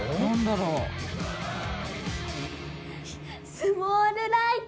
スモールライト。